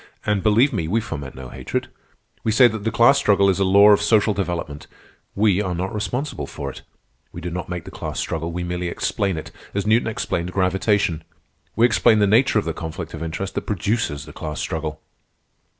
"And, believe me, we foment no hatred. We say that the class struggle is a law of social development. We are not responsible for it. We do not make the class struggle. We merely explain it, as Newton explained gravitation. We explain the nature of the conflict of interest that produces the class struggle."